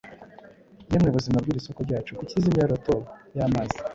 Yemwe buzima bw'iri soko ryacu! kuki izimya lotus y'amazi